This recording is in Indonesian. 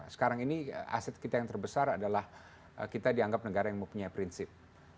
sekarang ini aset kita yang terbesar adalah kita dianggap negara yang mempunyai prinsip